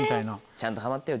ちゃんとはまってよ